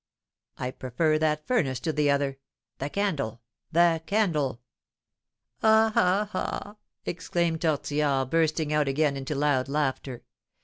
I prefer that furnace to the other. The candle! the candle!" "Ah! ah! ah!" exclaimed Tortillard, bursting out again into loud laughter.